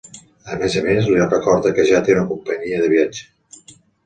A més a més li recorda que ja té una companya de viatge.